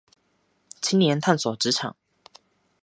青年探索职场